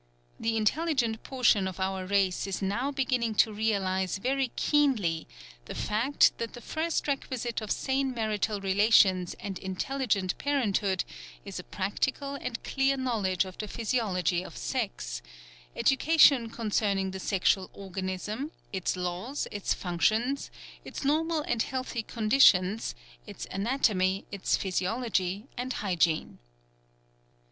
The intelligent portion of our race is now beginning to realize very keenly the fact that the first requisite of sane marital relations and intelligent parenthood is a practical and clear knowledge of the physiology of sex; education concerning the sexual organism, its laws, its functions, its normal and healthy conditions, its anatomy, its physiology and hygiene.